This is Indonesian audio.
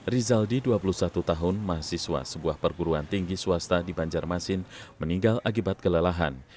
rizaldi dua puluh satu tahun mahasiswa sebuah perguruan tinggi swasta di banjarmasin meninggal akibat kelelahan